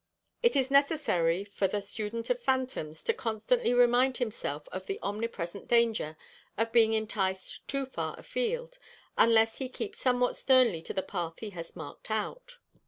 It is necessary for the student of phantoms to constantly remind himself of the omnipresent danger of being enticed too far afield, unless he keep somewhat sternly to the path he has marked out.